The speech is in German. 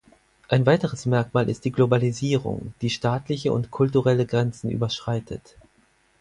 Ein weiteres Merkmal ist die Globalisierung, die staatliche und kulturelle Grenzen überschreitet.